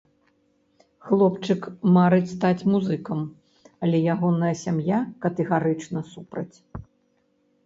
Хлопчык марыць стаць музыкам, але ягоная сям'я катэгарычна супраць.